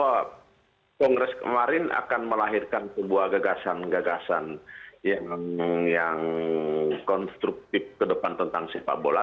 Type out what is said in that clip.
bahwa kongres kemarin akan melahirkan sebuah gagasan gagasan yang konstruktif ke depan tentang sepak bola